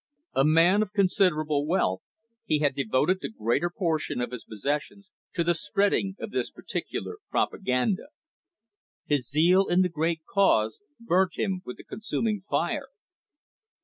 A man of considerable wealth, he had devoted the greater portion of his possessions to the spreading of this particular propaganda. His zeal in the great cause burnt him with a consuming fire.